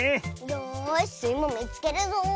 よしスイもみつけるぞ。